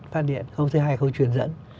phát điện khâu thứ hai là khâu truyền dẫn